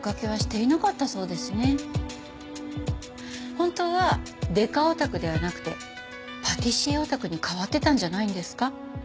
本当はデカオタクではなくてパティシエオタクに変わってたんじゃないんですか？